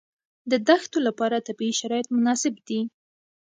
د دښتو لپاره طبیعي شرایط مناسب دي.